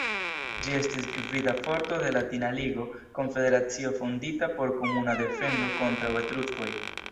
Ĝi estis gvida forto de Latina ligo, konfederacio fondita por komuna defendo kontraŭ Etruskoj.